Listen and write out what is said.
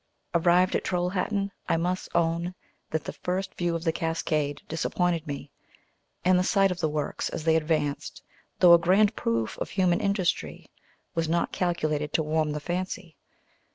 Arrived at Trolhættæ, I must own that the first view of the cascade disappointed me; and the sight of the works, as they advanced, though a grand proof of human industry, was not calculated to warm the fancy.